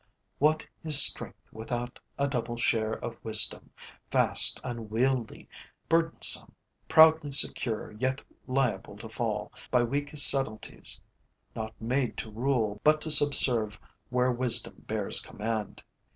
'What is strength without a double share Of wisdom? vast, unwieldly, burdensome, Proudly secure, yet liable to fall By weakest subtilities; not made to rule, But to subserve where wisdom bears command.'"